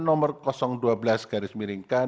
nomor dua belas garis miringkan